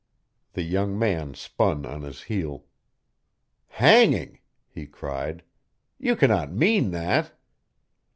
The young man spun on his heel. "Hanging!" he cried. "You cannot mean that?"